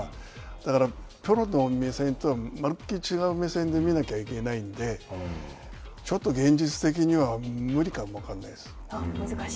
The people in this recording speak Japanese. だから、プロの目線とは丸っきり違う目線で見なきゃいけないのでちょっと現実的には無理かも分からないです。